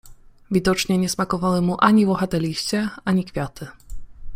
Widocznie nie smakowały mu ani włochate liście, ani kwiaty.